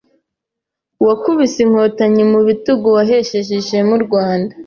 Wakubise inkotanyi mu bitugu Wahesheje ishema u Rwanda.